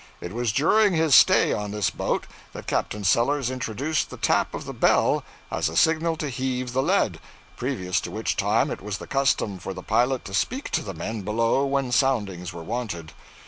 It was during his stay on this boat that Captain Sellers introduced the tap of the bell as a signal to heave the lead, previous to which time it was the custom for the pilot to speak to the men below when soundings were wanted.